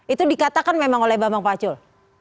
itu dikatakan memang oleh bambang pacul